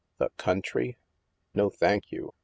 " The country? No, thank you.